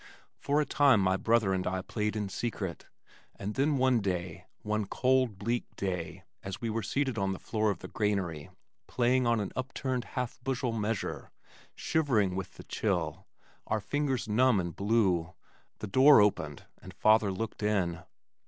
For a time my brother and I played in secret, and then one day, one cold bleak day as we were seated on the floor of the granary playing on an upturned half bushel measure, shivering with the chill, our fingers numb and blue, the door opened and father looked in.